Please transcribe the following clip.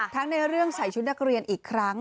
ในเรื่องใส่ชุดนักเรียนอีกครั้ง